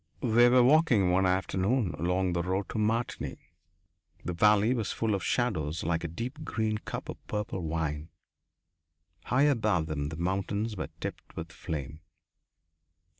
They were walking one afternoon along the road to Martigny. The valley was full of shadows like a deep green cup of purple wine. High above them the mountains were tipped with flame.